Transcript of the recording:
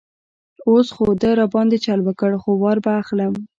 اوس خو ده را باندې چل وکړ، خو وار به اخلم.